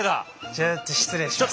ちょっと失礼しますね。